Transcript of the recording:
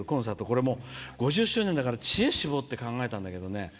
これもう、５０周年だから知恵絞って考えたんだけどね